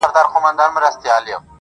ماته خوښي راكوي.